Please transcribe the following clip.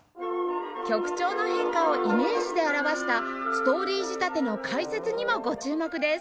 曲調の変化をイメージで表したストーリー仕立ての解説にもご注目です